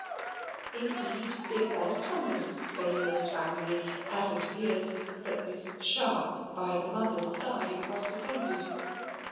Indeed it was from this famous family, as it appears, that Miss Sharp, by the mother's side, was descended.